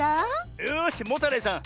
よしモタレイさん